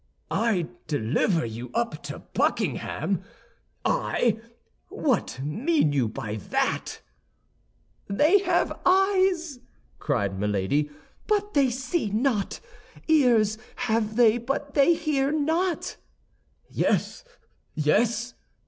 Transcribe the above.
"I deliver you up to Buckingham? I? what mean you by that?" "They have eyes," cried Milady, "but they see not; ears have they, but they hear not." "Yes, yes!"